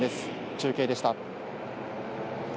中継でした。